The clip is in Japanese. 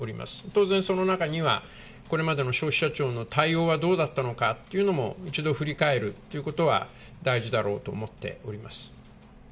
当然その中には、これまでの消費者庁の対応はどうだったのかというのも、一度振り返るということは大事だろうと思っております。